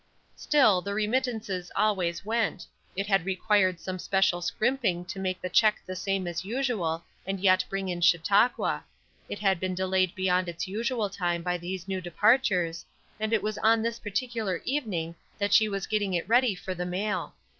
Still, the remittances always went; it had required some special scrimping to make the check the same as usual, and yet bring in Chautauqua; it had been delayed beyond its usual time by these new departures, and it was on this particular evening that she was getting it ready for the mail.